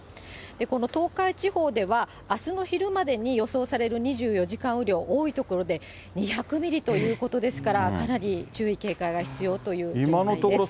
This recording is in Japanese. この東海地方では、あすの昼までに予想される２４時間雨量、多い所で２００ミリということですから、かなり注意警戒が必要という状態です。